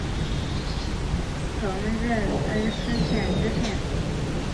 曾任恩施县知县。